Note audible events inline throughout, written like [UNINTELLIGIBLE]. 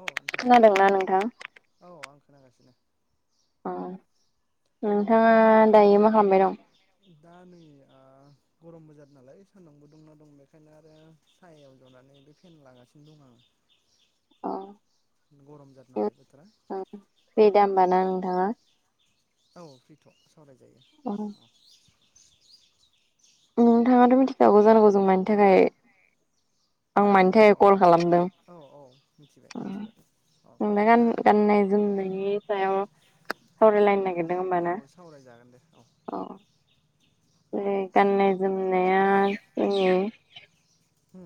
औ नोंथां खोनादोना खोनादोंना नोंथां औ आं खोनागासिनो? अ नोंथाङा दायो मा खालामबाय दं। दा नै आ गरमबो जादो नालाय सान्दुंबो दंना दं बेखायनो आरो सायायाव जनानै बे फेन लागासिनो दं आङो। [UNINTELLIGIBLE] अ गरम जादों नालाय बोथोरा फ्रि दामब ना नोंथाङा? औ फ्रिथ' सावरायजायो। औ। नोंथाङाथ' मिथिखागौ जानांगौ जों मानि थाखाय आं औ मानि औ थाखाय कल खालामदों? औ औ मिथिबाय मिथिबाय औ अ बे गान दा गाननायनि सायाव? सावरायलायनो नागिरदों औ होमबाना सावरायजागोन दे औ अ बे गाननाय जोमनाया जोंनि हु?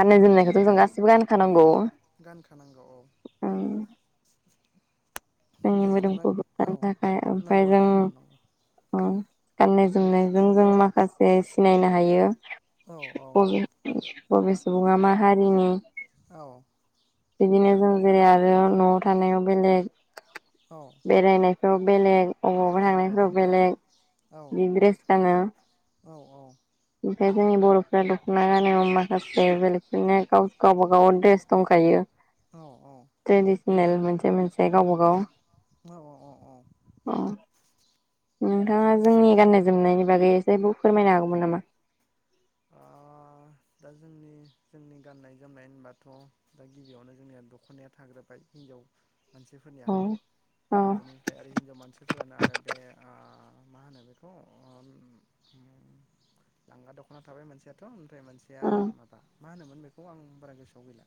गाननाय जोमनायखौथ' जों गासिबो गानखानांगौ। गानखानांग [UNINTELLIGIBLE] औ जोंनि बे जेनेबा मोदोमखौ औ होबथानो नोंगौ नोंगौ नोंगौ‌। अ गाननाय जोमनायजों जों माखासे सिनायनो हायो। औ औ बबे-बबे सुबुङा माहारिनि औ। बिदिनो जों जेरै आरो न'आव थानायाव बेलेग औ बेरायनायफ्राव बेलेग अबावबा नंगौ थांनायफ्राव नंगौ बेलेग औ बि द्रेस गानो औ औ। ओमफ्राय जोंनि बर'फ्रा दख'ना गानायाव माखासे बेलेगफोरनोाव गावबाागाव द्रेस दंखायो। औ औ ट्रेडिसनेल मोनसे मोनसे गावबा गाव औ औ अ औ। अ नोंथाङा जोंनि गाननाय जोमनायनि बागै जेबो फोरमायनो हागौमोन नामा? अ दा जोंनि जोंनि गाननाय जोमनाय होनबाथ' दा गिबियावनो जोंनिया दख'नाया थाग्रोबाय हिनजाव औ मानसिफोरनियाहाय औ बेनिफ्राय आरो हिनजाव मानसिफोरानो आरो बे आ मा होनो बेखौ आ उम लांगा दख'ना थाबाय मोनसेयाथ' ओमफ्राय थिया मादा मा होनोमोन बेखौ आं बारा गोसोआव गैला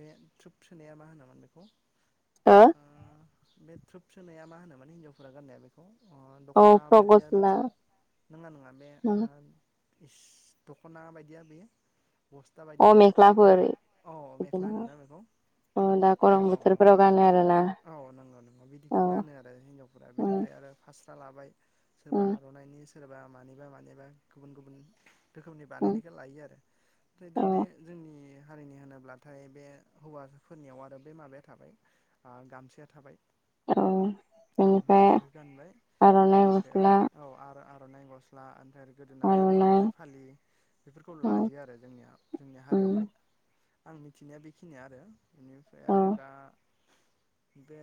बे थरब सोनाया मा होनोमोन बेखौ? ओ। बे थ्रुब सोनाया मा होनो मान हिन्जावफोरा गाननाया बेखौ? अ औ दख'ना फ्रक बायदिया गस्ला मोनसे नङा नङा बे एस दख'ना बायदिया बेयो? बस्था अ बायदिया मेख्लाफोर औ बिदिनो मेख्ला होनोना बेखौ? अ दा औ गरम औ बोथोरफोराव गानो आरोना औ औ नोंगौ नौ औ बिदिखौ गानो आरो हिनजावफोरा उम बेनिफ्राय आरो फास रां लाबाय सोरबा उम आर'नाइनि सोरबा मानिबा मानिबा गुबुन गुबुन रोखोमनि बानाय उम दा औ बे जोंनि हारिनि होनोब्लाथाय बे हौवाफोरनियाव आरो बे माबाया थाबाय गामसया थाबाय औ औ बेनिफ्राय गामसखौ गानबाय आर'नाइ बेनिफ्राय आरो गस्ला औ आरो आर'नाइ गस्ला ओमफ्राय गोदोनाफोराव आर'नाइ फालि बेफोरखौ औ लायो आरो जोंनिया जोंनि औ हारियावहाय आं मिथिनाया बेखिनिया आरो बेनिफ्राय औ आरो दा बे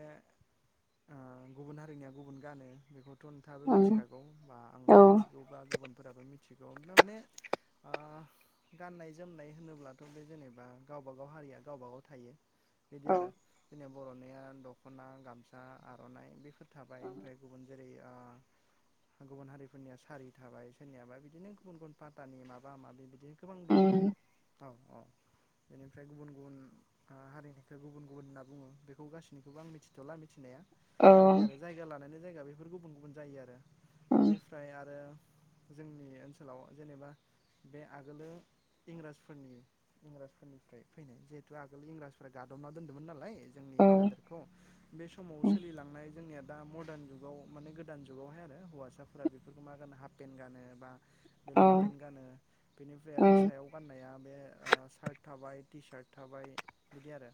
गुबुन हारिनिया गुबुन गानो बेखौ नोंथाङाबो उम मिथिखागौ बा औ आंबो मिथिगौ बा गुबुनफोराबो मिथिगौ दा माने ओ गाननाय जोमनाय होनोब्लाथ' बे जेनेबा गावब गाव हारिया गावब गाव थायो बिदि उम औ आरो जोंनियाव बर'निया दख'ना गामसा आर'नाइ बेफोर थाबाय ओमफ्राय गुबुन जेरै ओ गुबुन हारिफोरनिया सारि थाबाय सोरनियाबा बिदिनो गुबुन गुबुन पाथानि माबा माबा माबि बिदि गोबां दं आरो उम औ औ बेनिफ्राय गुबुन गुबुन ओ हारिनिखो गुबुन गुबुन होनना बुङो बेखौ गासैनिखौबो आं मिथिथ'ला मिथिनाया। औ बिदि आरो जायगा लानानै जायगा बेफोर गुबुन गुबुन जायो आरो उम बेनिफ्राय आरो जोंनि ओनसोलाव जेनेबा बे आगोलो इंराजफोरनि इंरफोरनिफ्राय फैनाय जिहेतु आगोल इंराजफोर आ गादबना दोन्दोंमोन नालाय जोंनि हादोरखौ बे समाव सोलिलांनाय जोंनिया दा मदार्न जुगाव माने गोदान जुगावहाय आरो हौवासाफोरा बेफोरखौ मा गानो हाफपेन गानो बा बे अ। लंपेन्ट गानो बेनिफ्राय आरो सायाव गाननाय या बे ओ सार्ट थाबाय टि सार्ट थाबाय बिदि आरो।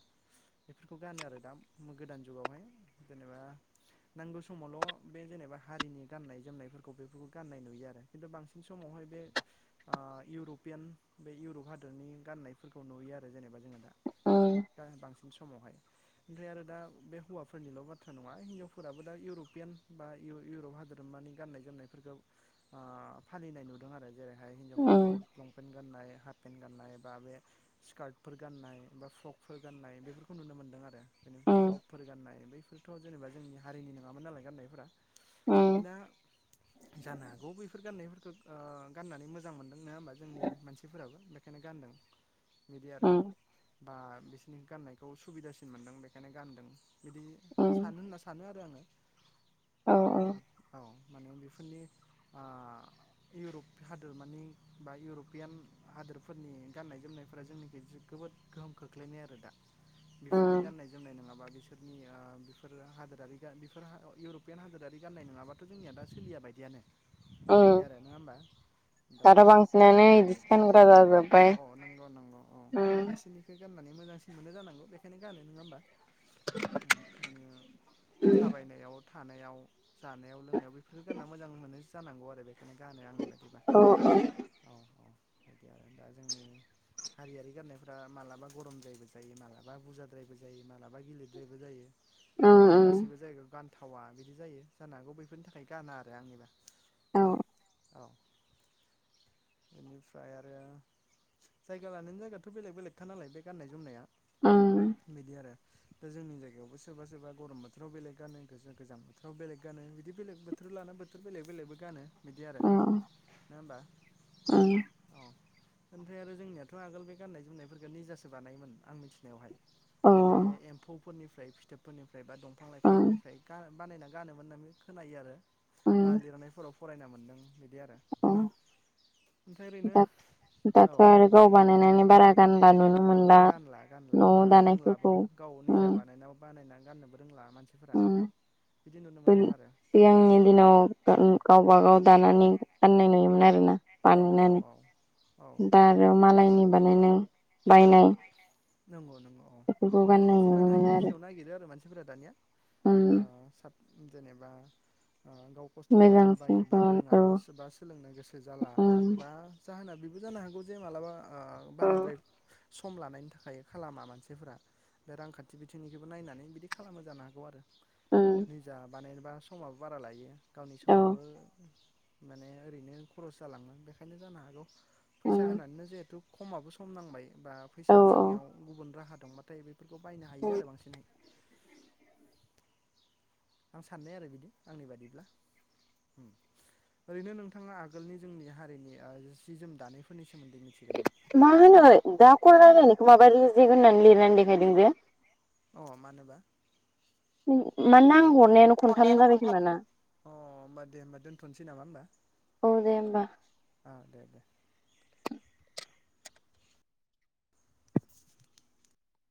बेफोरखौ गानो आरो दा गोदान जुगावहाय जेनेबा नांगौ समावल' बे जेनेबा हारिनि गाननाय जोमनायफोरखौ बेफोरखौ गाननाय नुयो आरो खिन्थु बांसिन समावहाय बे ओ इउरपियान बे इउरप हादरनि गान्नायफोरखौ नुयो आरो जेनेबा जोङो दा। उम दा बांसि न समावहाय ओमफ्राय आरो दा बे हौवाफोरनिल' बाथ्रा नङा हिनजावफोराबो दा इउर'पियान बा इउ-इउरप हादोरमानि गाननाय जोमनायफोरखौ ओ फालिनाय नुदों आरो हाय हिनजावफोराबो उम लंपेन्ट गाननाय हाफ पेन्ट गाननाय बा बे स्कार्टफोर गान्नाय बा फ्रकफोर गान्नाय बेफोरखौ नुनो मोनदों आरो। बेनिफ्राय टपफोर गाननाय बैफोरथ' जेनेबा जोंनि हारिनि नङामोन नालाय गाननायफोरा। दा जानो हागौ बेैफोर गाननायफोरखौ ओ गाननानै मोजां मोनदों नङा होमबा? जोंनि मानसिफोराबो बेखायनो गानदों। बिदि आरो उम बा बिसोरनि गाननायखौ सुबिदासिन मोनदों बेखायनो गानदों। बिदि उम सानो होनना सानो आरो आङो। औ औ। औ माने बेफोरनि ओ इउरप हादोरमानि बा इउर'पियान हादोरफोरनि गाननाय जोमनायफोरा जोंनि गेजेरजों जोबोद गोहोम खोख्लैनाय आरो दा बेफोरनि उम गाननाय जोमनाय नङाबा बे सोरनि ओ बेफोर हादोरारि गा बेफोर हा इउरपियान हादोरारि गाननाय नङाबाथ' जोंनिया दा सोलिया बायदियानो। बिदि उम आरो नङा होमबा? दा दाथ' बांसिनानो बिदिसो गानग्रा औ जाजोबबाय औ नंगौ नंगौ औ ओम। बिसोरनिखौ गाननानै मोजांसिन मोनो जानांगौ बेखायनो गानो नङा होमबा? उम थाबाइनायाव थानायाव जानायाव लोंनायाव बेफोरखौ गानना मोजां मोनो जानांगौ आरो बेखायनो गानो आंनि बाय औ औ। दियाव दा जोंनि हारियारि गाननायफ्रा मालाबा गरमद्रायबो जायो मालाबा बुरजाद्रायबो जायो मालाबा गिलिरद्रायबो जायो उम मालाबा उम गासैबो जायगायाव गानथावा बिदि जायो जानो हागौ बैफोरनि थाखाय गाना आरो आंनिबा। औ औ। [INAUDIBLE] बेनिफ्राय आरो जायगा लानानै जायगाथ' बेलेग बेलेगखा नालाय बे गाननाय जोमनाया। उम बिदि आरो दा जोंनि जायगायावबो सोरबा सोरबा गरम बोथोराव बेलेग गानो गो-गोजां बोथोराव बेलेग गानो बिदि बेलेग बोथोर थोर लाना बोथोर बेलेग बेलेगबो गानो बिदि आरो। औ उम नङा होमबा औ। ओमफ्राय आरो जोंनियाथ' आगोल बे गाननाय जोमनायफोरखौ निजासो बानायोमोन आं मिथिनायावहाय। औ बे एम्फौफोरनिफ्राय फिथोबफोरनिफ्राय बा दंफां उम लाइफांफोरनिफ्राय गा बानायना गानोमोन होनना खोनायो आरो बा लिरनायफोराव फरायना मोन्दों बिदि आरो। अ। ओमफ्राय ओरैनो औ औ आरो गाव जों बानायनानै बारा गानला नुनो मोनला [UNINTELLIGIBLE] गानला गानला न'आव बा रोंलाबो दानायफोरखौ गाव औ निजा बानायनाव बानायना गाननोबो रोंला। मानसिफोरा ओम बिदि नुनो ओम मोनदों आरो सिगांनि दिनाव ओम गावबा गाव दानानै गाननाय नुयोमोन आरोना औ औ औ औ बानायनानै दा आरो मालायनि बानायनाय बायनाय नंगौ नंगौ अ बेफोरखौ माने गाननाय जिमान नुनो हायो मोनो आरो इजियाव नागिरो आरो मानसिफोरा दानिया उम ओ साब जेनेबा ओ गाव खस्थ' खालामनो मोजांसिन बायो बा औ रोङा सोरबा सोलोंनो गोसो जाला उम बा जाहोना बेबो जानो हागौ जे मालाबा उम बाराद्राय सम लानायनि थाखाय थाखाय खालामा मानसिफोरा बे रांखान्थि बिथिंनिखोबो नायनानै बिदि खालामो जानो हागौ आरो निजा बानायनोबा समाबो बारा लायो गावनि औ समाबो माने ओरैनो खरस जालाङो बेखायनो जानो हागौ फैसा उम होनानैनो जिहेथु खमाबो सम नांबाय बा औ फैसा औ आरजिनायाव गुबुन राहा दंबाथाय बे बेफोरखौ बायनो हायो आरो बांसिनहाय आं साननाय आरो बिदि आंनि बादिब्ला ओम ओरैनो नोंथाङा आगोलनि जोंनि हारिनि ओ जि जोम दानायफोरनि सायाव मा होनो दा कल रायलायनायखौ माबाय रेजेग होननानै लिरनानै देखायदों जे अ मानोबा मानोना आं अ हरनायानो खनथाम जाबाय खोमाना अ होमबा दे होबा दोन्थ'नोसै नामा होनबा औ दे होमबा औ दे दे [INAUDIBLE]